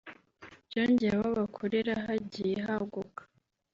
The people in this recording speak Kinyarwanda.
byongeye aho bakorera hagiye haguka